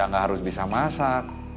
ya gak harus bisa masak